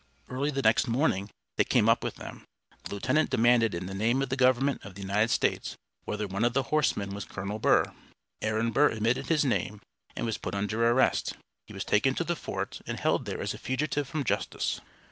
Early the next morning they came up with them. The lieutenant demanded in the name of the government of the United States whether one of the horsemen was Colonel Burr. Aaron Burr admitted his name, and was put under arrest. He was taken to the fort, and held there as a fugitive from justice.